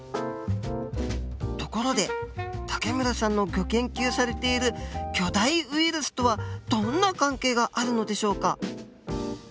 ところで武村さんのギョ研究されている巨大ウイルスとはどんな関係があるのでしょうか。